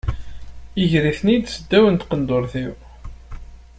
Iger-iten-id seddaw n tqendurt-iw.